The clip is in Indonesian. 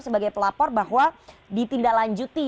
sebagai pelapor bahwa ditindaklanjuti